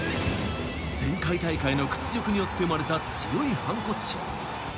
前回大会の屈辱によって生まれた強い反骨心。